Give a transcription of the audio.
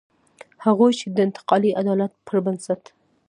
هغوی چې د انتقالي عدالت پر بنسټ.